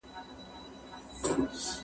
ژر مي باسه له دې ملکه له دې ځایه